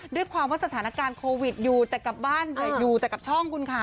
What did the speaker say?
ด้วยสถานการณ์โควิดอยู่แต่กับบ้านและอยู่แต่กับช่องคุณคะ